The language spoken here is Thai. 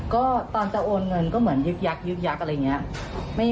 ก็ตอนจะโอนเงินก็เหมือนยึกยักยึกยักษ์อะไรอย่างนี้